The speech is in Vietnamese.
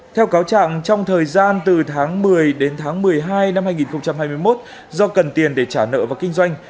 theo cáo trạng trong thời gian từ tháng một mươi đến tháng một mươi hai năm hai nghìn hai mươi một do cần tiền để trả nợ và kinh doanh